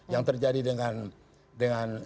yang terjadi dengan